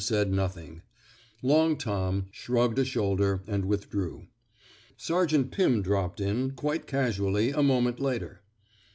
Long Tom ^' shrugged a shoulder, and withdrew. Sergeant Pim dropped in, quite casually, a moment later.